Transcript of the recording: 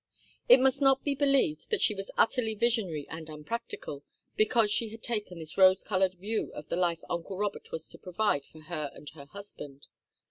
It must not be believed that she was utterly visionary and unpractical, because she had taken this rose coloured view of the life uncle Robert was to provide for her and her husband.